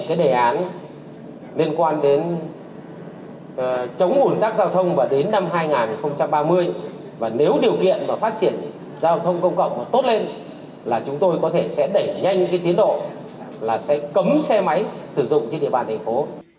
cái đề án liên quan đến chống ủn tắc giao thông vào đến năm hai nghìn ba mươi và nếu điều kiện mà phát triển giao thông công cộng tốt lên là chúng tôi có thể sẽ đẩy nhanh cái tiến độ là sẽ cấm xe máy sử dụng trên địa bàn thành phố